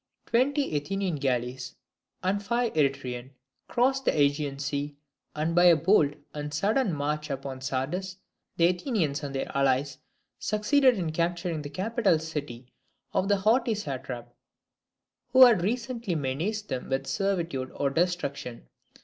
Twenty Athenian galleys, and five Eretrian, crossed the AEgean Sea; and by a bold and sudden march upon Sardis the Athenians and their allies succeeded in capturing the capital city of the haughty satrap, who had recently menaced them with servitude or destruction.